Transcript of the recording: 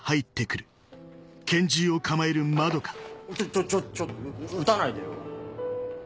ちょちょちょ撃たないでよ？